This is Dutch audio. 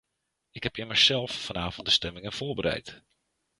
Ik heb immers zelf vanavond de stemmingen voorbereid.